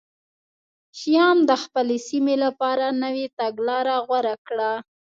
شیام د خپلې سیمې لپاره نوې تګلاره غوره کړه